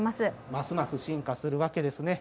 ますます進化するわけですね。